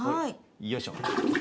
よいしょ。